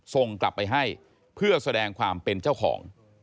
ส่งกลับไปให้เพื่อแสดงความเป็นเจ้าของ